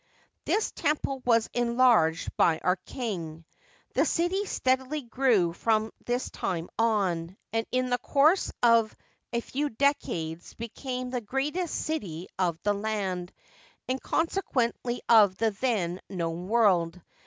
This temple was enlarged by our king. The city steadily grew from this time on, and in the course of Digitized byCjOOQlC THE NEW EMPIRE. 69 a few decades became the greatest city of the land, and consequently of the then known world.